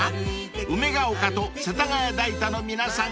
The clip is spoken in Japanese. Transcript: ［梅丘と世田谷代田の皆さん